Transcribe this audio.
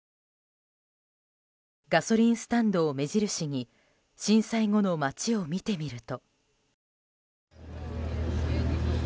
ガソリンスタンドを目印に震災後の街を見てみると。